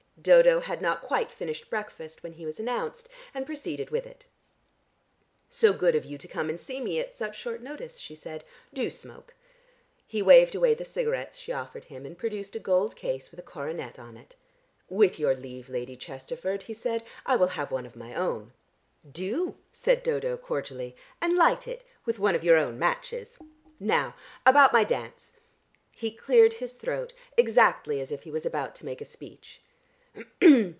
Dodo had not quite finished breakfast when he was announced, and proceeded with it. "So good of you to come and see me at such short notice," she said. "Do smoke." He waved away the cigarettes she offered him, and produced a gold case with a coronet on it. "With your leave, Lady Chesterford," he said, "I will have one of my own." "Do!" said Dodo cordially. "And light it with one of your own matches. Now about my dance." He cleared his throat exactly as if he was about to make a speech.